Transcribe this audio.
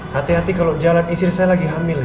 hati hati kalau jalan istri saya lagi hamil